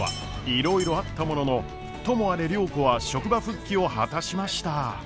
いろいろあったもののともあれ良子は職場復帰を果たしました。